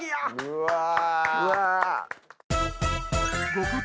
うわ！